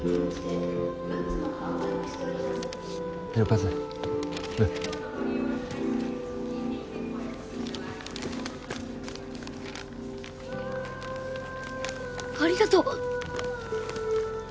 ほいありがとう！